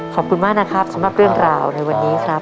ขอบคุณมากนะครับสำหรับเรื่องราวในวันนี้ครับ